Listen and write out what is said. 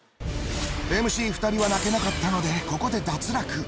ＭＣ２人は泣けなかったのでここで脱落。